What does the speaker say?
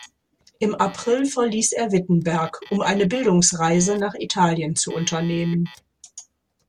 Im April verließ er Wittenberg, um eine Bildungsreise nach Italien zu unternehmen.